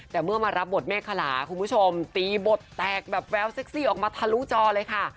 แต่เมื่อมารับบทเมฆขลาคุณผู้ชมตีบทแตกแบบแววเซ็กซี่ออกมาทะลุจอเลยค่ะ